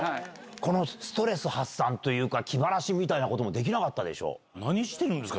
このストレス発散というか、気晴らしみたいなこともできなか何してるんですか？